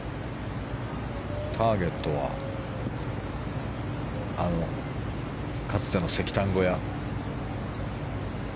ターゲットはかつての石炭小屋。